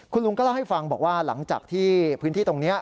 คุณลุงก็เล่าให้ฟังบอกว่าหลังจากที่พื้นที่ตรงนี้